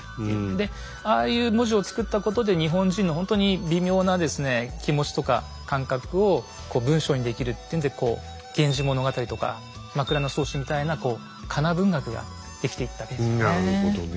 でああいう文字を作ったことで日本人のほんとに微妙な気持ちとか感覚を文章にできるっていうんで「源氏物語」とか「枕草子」みたいな仮名文学が出来ていったわけですよね。